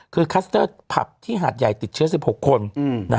คือคลัสเตอร์ผับที่หาดใหญ่ติดเชื้อ๑๖คน